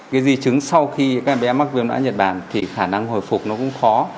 cái di chứng sau khi các bé mắc viêm não nhật bản thì khả năng hồi phục nó cũng khó